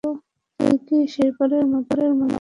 তুই কি শেষবারের মতো তোর মায়ের সাথে কথা বলতে চাস?